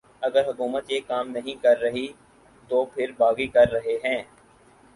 اگر حکومت یہ کام نہیں کررہی تو پھر باغی کررہے ہیں